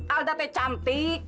alda teh cantik